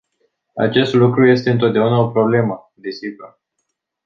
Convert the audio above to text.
Acest lucru este întotdeauna o problemă, desigur.